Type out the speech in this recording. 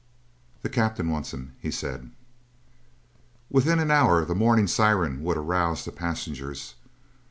"The Captain wants him," he said. Within an hour the morning siren would arouse the passengers.